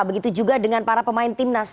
begitu juga dengan para pemain timnas